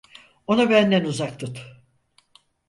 Onu benden uzak tut.